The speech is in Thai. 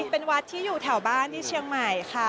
เป็นวัดที่อยู่แถวบ้านที่เชียงใหม่ค่ะ